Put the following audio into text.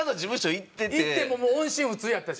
行って音信不通やったし。